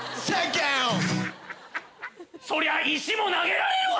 そりゃあ石も投げられるわ！